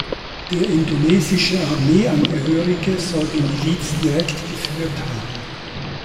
Der indonesische Armeeangehörige soll die Miliz direkt geführt haben.